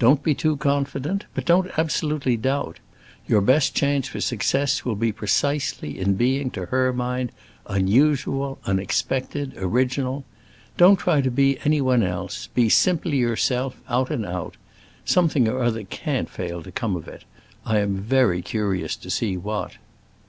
Don't be too confident, but don't absolutely doubt. Your best chance for success will be precisely in being, to her mind, unusual, unexpected, original. Don't try to be anyone else; be simply yourself, out and out. Something or other can't fail to come of it; I am very curious to see what."